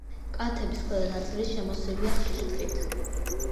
კალთების ქვედა ნაწილი შემოსილია ხშირი ტყით.